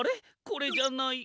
これじゃない。